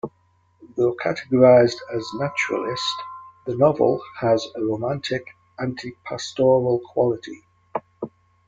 Though categorized as naturalist, the novel has a romantic, anti-pastoral quality.